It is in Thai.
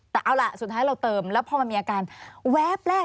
แต่เอาล่ะสุดท้ายเราเติมแล้วพอมันมีอาการแวบแรก